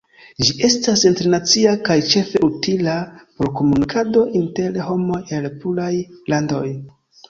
Ĝi estas internacia kaj ĉefe utila por komunikado inter homoj el pluraj landoj.